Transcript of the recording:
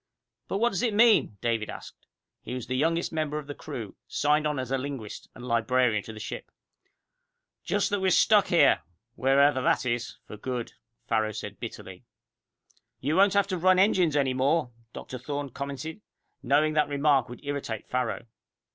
"But what does it mean?" David asked. He was the youngest member of the crew, signed on as linguist, and librarian to the ship. "Just that we're stuck here where ever that is for good!" Farrow said bitterly. "You won't have to run engines anymore," Dr. Thorne commented, knowing that remark would irritate Farrow.